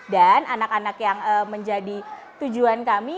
dan anak anak yang menjadi tujuan kami